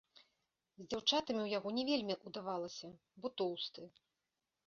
З дзяўчатамі ў яго не вельмі ўдавалася, бо тоўсты.